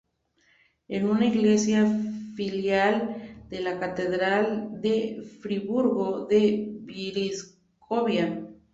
Es una iglesia filial de la catedral de Friburgo de Brisgovia.